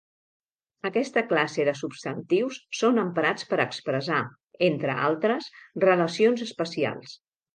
Aquesta classe de substantius són emprats per expressar, entre altres, relacions espacials.